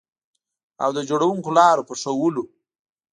او د جوړوونکو لارو په ښودلو